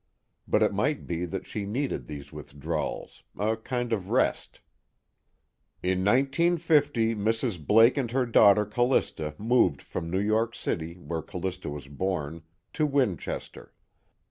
But it might be that she needed those withdrawals, a kind of rest. "In 1950, Mrs. Blake and her daughter Callista moved from New York City where Callista was born, to Winchester.